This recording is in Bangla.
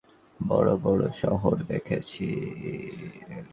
আমি জাপানের মধ্যপ্রদেশে তিনটি বড় বড় শহর দেখেছি।